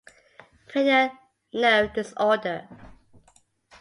Cranial nerve disorder.